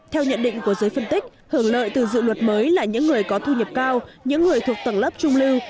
theo nhận định của giới phân tích hưởng lợi từ dự luật mới là những người có thu nhập cao những người thuộc tầng lớp trung lưu